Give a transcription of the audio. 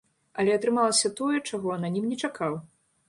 Але атрымалася тое, чаго ананім не чакаў.